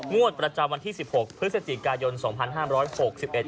งวดประจำวันที่สิบหกพฤศจิกายนสองพันห้ามร้อยหกสิบเอ็ด